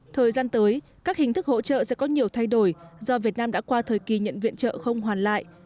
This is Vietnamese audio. thời gian tới các hình thức hỗ trợ sẽ có nhiều thay đổi do việt nam đã qua thời kỳ nhận viện trợ không hoàn lại